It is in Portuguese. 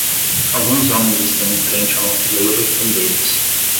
Alguns homens estão em frente a uma fileira de bandeiras.